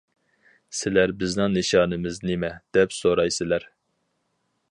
سىلەر بىزنىڭ نىشانىمىز نېمە، دەپ سورايسىلەر.